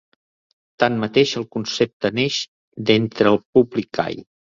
Tanmateix, el concepte neix d'entre el públic gai.